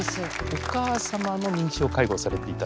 お母様の認知症介護をされていたんですね。